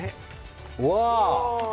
うわ！